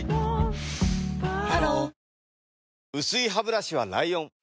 ハロー